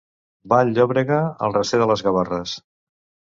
Vall-llobrega, el recer de les Gavarres.